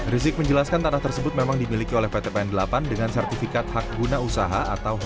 rizik menjelaskan tanah tersebut memang dimiliki oleh ptpn delapan dengan sertifikat hak guna usaha